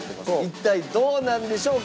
一体どうなんでしょうか？